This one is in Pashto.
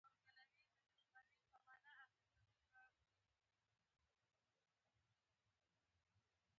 که تۀ له هغه څه سره مینه ولرې چې کول یې غواړې.